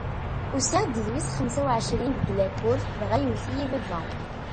Usiɣ-d d wis xemsa u ɛecrin di lakul dɣa yewwet-iyi baba.